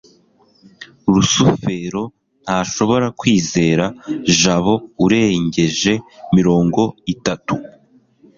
rusufero ntashobora kwizera jabo urengeje mirongo itatu